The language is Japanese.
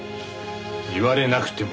言われなくても。